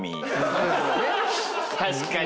確かに。